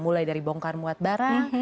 mulai dari bongkar muat barang